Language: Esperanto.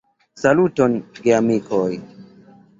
Saluton, geamikoj!